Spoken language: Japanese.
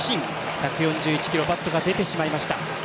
１４１キロバットが出てしまいました。